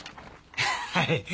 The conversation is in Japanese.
はい。